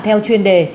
theo chuyên đề